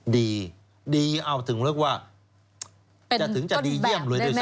ดีดีเอาถึงเรียกว่าจะถึงจะดีเยี่ยมเลยด้วยซ